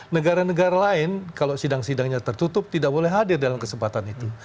negara negara lain kalau sidang sidangnya tertutup tidak boleh hadir dalam kesempatan itu